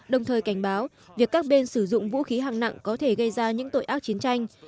đồng thời cảnh báo việc các bên sử dụng vũ khí hạng nặng có thể gây ra những tội ác chiến tranh